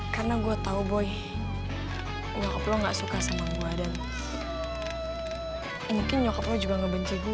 karena gue tau boy nyokap lo gak suka sama gue dan mungkin nyokap lo juga gak benci gue